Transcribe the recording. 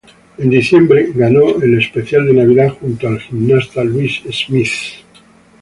En diciembre, ganó el Especial de Navidad junto al gimnasta Louis Smith.